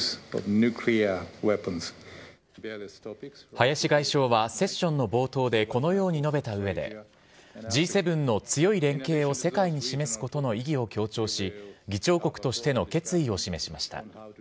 林外相はセッションの冒頭でこのように述べたうえで、Ｇ７の強い連携を世界に示すことの意義を強調し、議長国としての決意を示しました。